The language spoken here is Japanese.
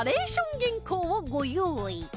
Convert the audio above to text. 原稿をご用意